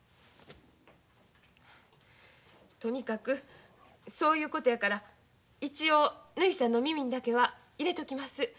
とにかくそういうことやから一応ぬひさんの耳にだけは入れときます。